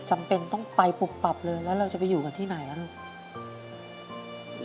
จำเป็นต้องไปปุบปับเลยแล้วเราจะไปอยู่กันที่ไหนล่ะลูก